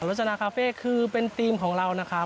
รสจนาคาเฟ่ย์คือเป็นธีมของเรานะครับ